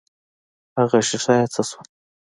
هغه ښيښه يې څه سوه.